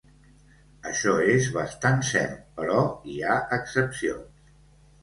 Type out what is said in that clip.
Això és bastant cert, però hi ha excepcions.